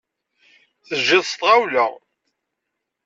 Tejjiḍ s tɣawla.